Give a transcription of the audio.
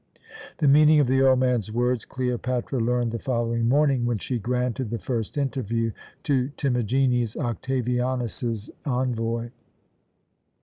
The meaning of the old man's words Cleopatra learned the following morning, when she granted the first interview to Timagenes, Octavianus's envoy.